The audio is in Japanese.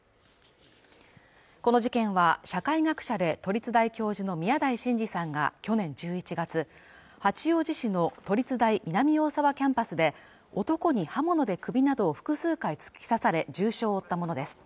この事件は社会学者で都立大教授の宮台真司さんが去年１１月八王子市の都立大南大沢キャンパスで男に刃物で首などを複数回突き刺され重傷を負ったものです